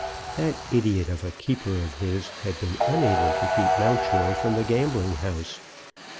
That idiot of a keeper of his had been unable to keep Mountjoy from the gambling house.